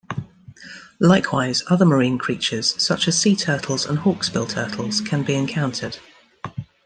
Likewise, other marine creatures such as seaturtles and hawksbill turtles can be encountered.